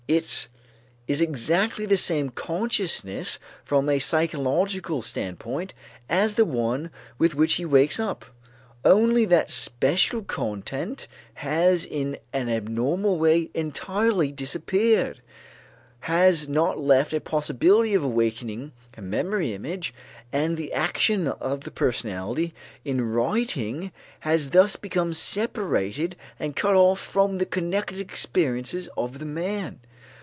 It is exactly the same consciousness from a psychological standpoint as the one with which he wakes up. Only that special content has in an abnormal way entirely disappeared, has not left a possibility of awakening a memory image, and the action of the personality in writing has thus become separated and cut off from the connected experiences of the man.